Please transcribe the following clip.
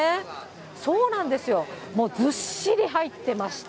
そうなんですよ、もうずっしり入ってまして、